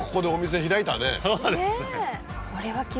そうですね。